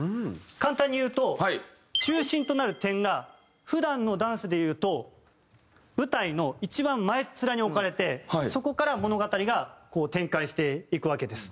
簡単に言うと中心となる点が普段のダンスで言うと舞台の一番前っ面に置かれてそこから物語が展開していくわけです。